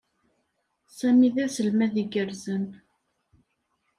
Sami d aselmad iggerzen.